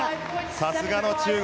さすがの中国。